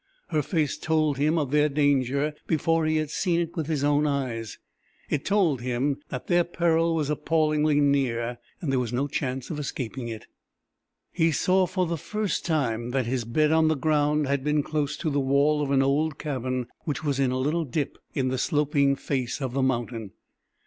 Her face told him of their danger before he had seen it with his own eyes. It told him that their peril was appallingly near and there was no chance of escaping it. He saw for the first time that his bed on the ground had been close to the wall of an old cabin which was in a little dip in the sloping face of the mountain.